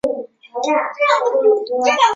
他是第三任登丹人酋长。